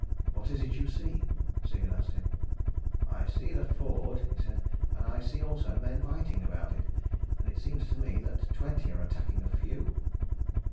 "What is it you see?" Sigurd asked him. "I see the ford," he said, "and I see also men fighting about it. And it seems to me that twenty are attacking a few."